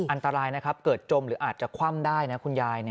อันตรายนะครับเกิดจมหรืออาจจะคว่ำได้นะคุณยาย